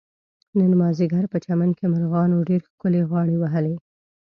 نن مازدیګر په چمن کې مرغانو ډېر ښکلې غاړې وهلې.